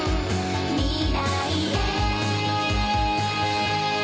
「未来へ！！」